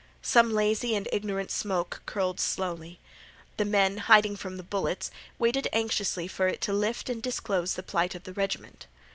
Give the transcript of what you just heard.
Some lazy and ignorant smoke curled slowly. The men, hiding from the bullets, waited anxiously for it to lift and disclose the plight of the regiment.